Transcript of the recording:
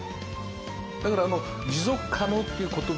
だからあの持続可能っていう言葉はね